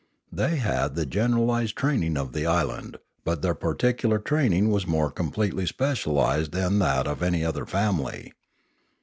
They had the generalised train ing of the island; but their particular training was more completely specialised than that of any other family.